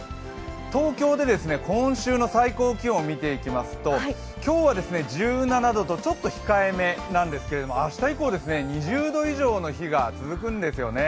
東京で今週の最高気温を見ていきますと、今日は１７度とちょっと控えめなんですけども明日以降、２０度以上の日が続くんですよね。